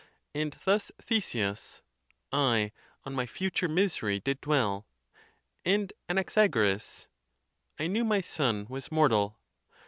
and thus Theseus, "I on my future mis ery did dwell;" and Anaxagoras, "I knew my son was mortal."